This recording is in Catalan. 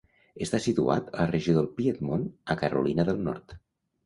Està situat a la regió del Piedmont a Carolina del Nord.